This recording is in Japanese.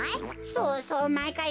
そうそうまいかい